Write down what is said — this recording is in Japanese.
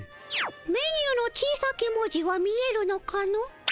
メニューの小さき文字は見えるのかの？